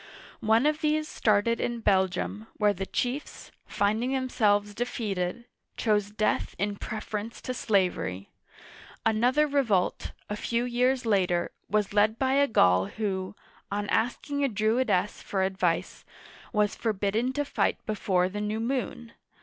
One of these started in Belgium, where the chiefs, finding themselves defeated, chose death in preference to slavery. Another revolt, a few years later, was led by a Gaul who, on asking a Druidess for advice, was forbidden to fight before the new moon.